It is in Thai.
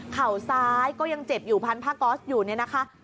เข่าซ้ายก็ยังเจ็บอยู่พันผ้าก๊อสอยู่เนี่ยนะคะ